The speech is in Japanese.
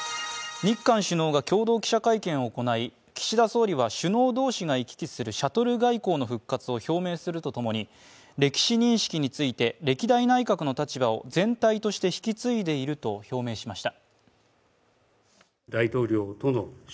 日韓首脳が共同記者会見を行い岸田総理は首脳同士が行き来するシャトル外交の復活を表明するとともに、歴史認識について歴代内閣の立場を全体として引き継いでいると表明しました。